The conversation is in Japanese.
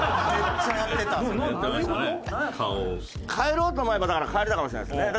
帰ろうと思えばだから帰れたかもしれないですね。